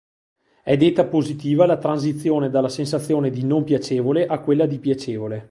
È detta positiva la transizione dalla sensazione di non piacevole a quella di piacevole.